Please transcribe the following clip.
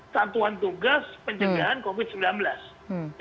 satuan tugas pencegahan covid sembilan belas